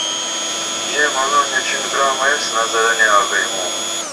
یہ منوں نیچڻ گرامہ ایس نظرہ نی آگئی موں